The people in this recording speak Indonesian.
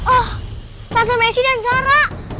ah tante messi dan sarah